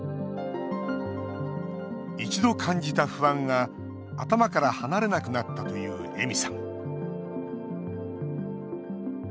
一度、感じた不安が頭から離れなくなったというえみさん。